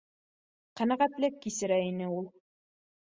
Ҡәнәғәтлек кисерә ине ул